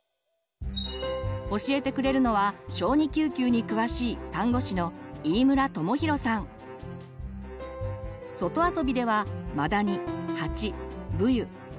教えてくれるのは小児救急に詳しい外遊びではマダニハチブユ蚊